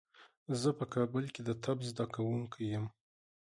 زه په کابل کې د طب زده کوونکی یم.